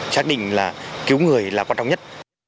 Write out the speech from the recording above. chắc định là cứu người là quan trọng nhất